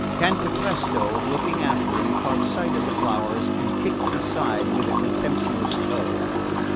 Cantapresto, looking after him, caught sight of the flowers and kicked them aside with a contemptuous toe.